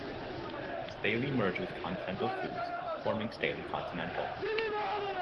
Staley merged with Continental Foods, forming Staley Continental.